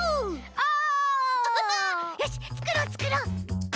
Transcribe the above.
よしつくろうつくろう！